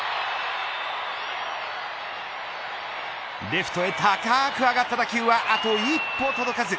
レフトへ高く上がった打球はあと一歩届かず。